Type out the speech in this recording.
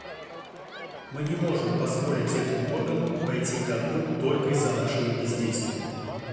Мы не можем позволить этому органу пойти ко дну только из-за нашего бездействия.